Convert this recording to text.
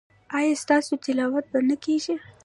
ایا ستاسو تلاوت به نه کیږي؟